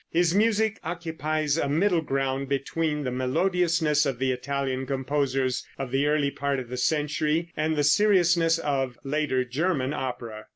His music occupies a middle ground between the melodiousness of the Italian composers of the early part of the century and the seriousness of later German opera.